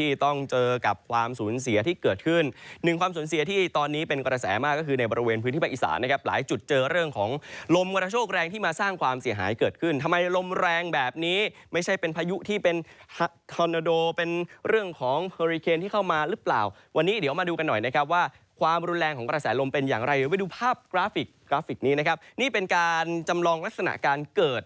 ที่ต้องเจอกับความสูญเสียที่เกิดขึ้นหนึ่งความสูญเสียที่ตอนนี้เป็นกระแสมากก็คือในบริเวณพื้นที่ภาคอีสานนะครับหลายจุดเจอเรื่องของลมกระโชคแรงที่มาสร้างความเสียหายเกิดขึ้นทำไมลมแรงแบบนี้ไม่ใช่เป็นพายุที่เป็นฮอร์นาโดเป็นเรื่องของฮอริเคนที่เข้ามาหรือเปล่าวันนี้เดี๋ยวมาดูกันหน่อยนะคร